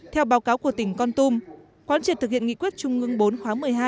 theo báo cáo của tỉnh con tum quán triệt thực hiện nghị quyết trung ương bốn khóa một mươi hai